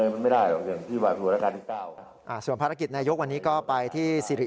ภายง่ายถ้าทุกครัวเรือนเลี้ยงไก่สองตัว